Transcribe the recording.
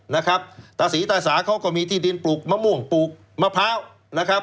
นะครับตาศรีตาสาเขาก็มีที่ดินปลูกมะม่วงปลูกมะพร้าวนะครับ